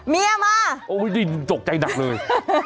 เมียมาโอ๊ยนี่โดรคใจหนักเลย